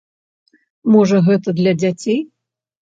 Можа, гэта для дзяцей?